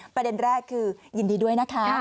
ประเด็นแรกคือยินดีด้วยนะคะ